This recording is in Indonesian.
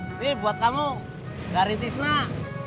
ini buat kamu dari tisnak